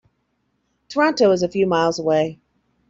Toronto is a few miles away.